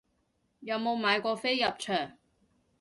有冇買過飛入場